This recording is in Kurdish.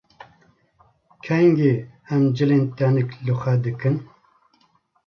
Kengî em cilên tenik li xwe dikin?